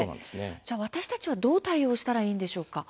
私たちは、どう対応したらいいんでしょうか。